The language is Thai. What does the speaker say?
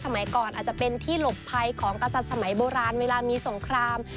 สมัยก่อนอาจจะเป็นที่หลบภัยของกษัตริย์สมัยโบราณเวลามีสงคราม